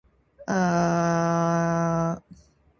air tidak dapat meresapi lantai yang dibuat istimewa itu